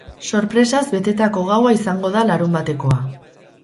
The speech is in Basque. Sorpresaz betetako gaua izango da larunbatekoa.